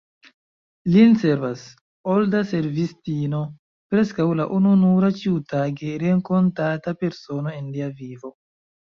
Lin servas “olda servistino, preskaŭ la ununura ĉiutage renkontata persono en lia vivo.